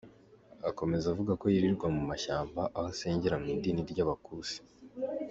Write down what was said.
Akomeza avuga ko yirirwa mu mashyamba aho asengera mu idini ry’Abakusi.